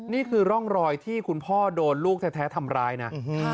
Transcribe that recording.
นี่คือร่องรอยที่คุณพ่อโดนลูกแท้ทำร้ายนะ